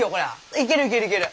いけるいけるいける。